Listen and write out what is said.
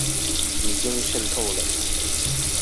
已經滲透了